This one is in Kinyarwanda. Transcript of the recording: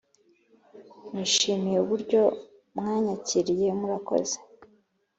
Nishimiye uburyo mwanyakiriye murakoze